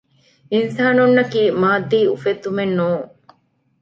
އިންސާނުންނަކީ މާއްދީ އުފެއްދުމެއްނޫން